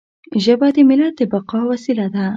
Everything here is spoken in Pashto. ژبه د ملت د بقا وسیله ده.